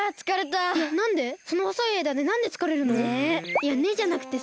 いや「ねっ」じゃなくてさ。